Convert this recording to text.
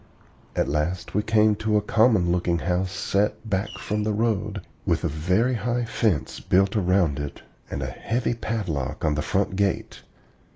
At last we came to a common looking house set back from the road, with a very high fence built around it and a heavy padlock on the front gate.